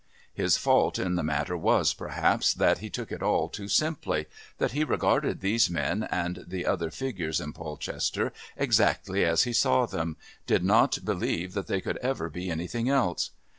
His fault in the matter was, perhaps, that he took it all too simply, that he regarded these men and the other figures in Polchester exactly as he saw them, did not believe that they could ever be anything else.